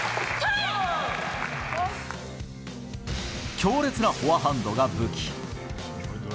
強烈なフォアハンドが武器。